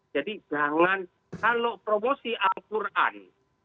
jadi jangan kalau promosi al quran